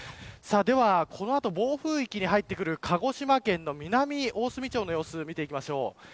ではこの後、暴風域に入ってくる鹿児島県の南大隅町の様子を見ていきましょう。